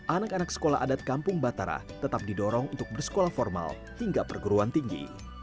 anak anak sekolah adat kampung batara tetap didorong untuk bersekolah formal hingga perguruan tinggi